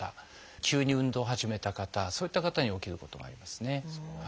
急に運動を始めた方そういった方に起きることがありますね。